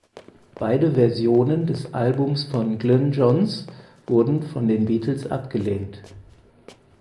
Beide Versionen des Albums von Glyn Johns wurden von den Beatles abgelehnt.